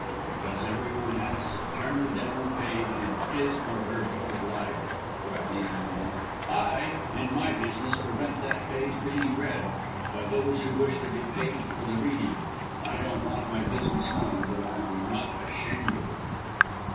"Because everyone has a turned down page in his or her Book of Life," cried the young man. "I in my business prevent that page being read by those who wish to be paid for the reading. I don't want my business known, but I am not ashamed of it."